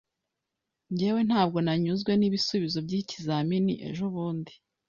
Njyewe, ntabwo nanyuzwe n'ibisubizo by'ikizamini ejobundi.